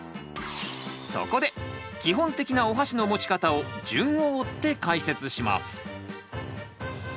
そこで基本的なおはしの持ち方を順を追って解説します！